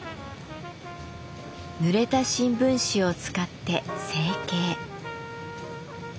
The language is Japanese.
ぬれた新聞紙を使って成形。